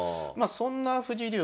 そんな藤井竜王